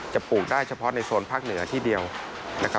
ปลูกได้เฉพาะในโซนภาคเหนือที่เดียวนะครับ